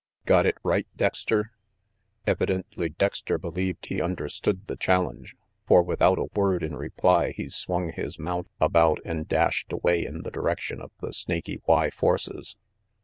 Got it right, Dexter?" Evidently Dexter believed 1 he understood the challenge, for without a word in reply he swung his mount about and dashed away in the direction of the Snaky Y forces.